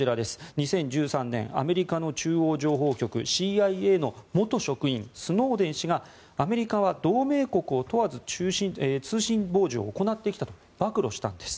２０１３年、アメリカの中央情報局・ＣＩＡの元職員、スノーデン氏がアメリカは同盟国を問わず通信傍受を行ってきたと暴露したんです。